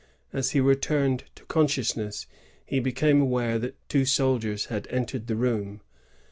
As he returned to consciousness, he became aware that two soldiers had entered the room.